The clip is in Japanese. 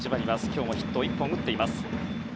今日もヒットを１本打っています。